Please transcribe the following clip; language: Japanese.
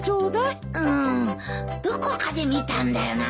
うーんどこかで見たんだよな。